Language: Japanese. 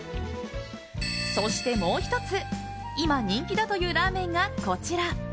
そしてもう１つ、今人気だというラーメンがこちら。